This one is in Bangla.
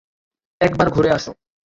একবার ঘুরে আসো।